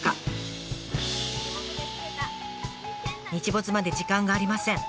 日没まで時間がありません。